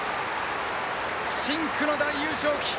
深紅の大優勝旗